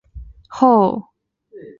后来为粮食店街第十旅馆使用。